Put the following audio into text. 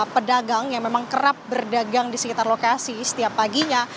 pedagang yang memang kerap berdagang di sekitar lokasi setiap paginya